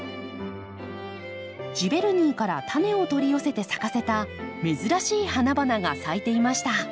ジヴェルニーからタネを取り寄せて咲かせた珍しい花々が咲いていました。